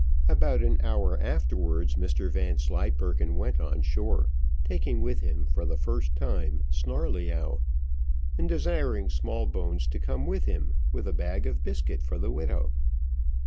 About an hour afterwards Mr Vanslyperken went on shore, taking with him, for the first time, Snarleyyow, and desiring Smallbones to come with him, with a bag of biscuit for the widow.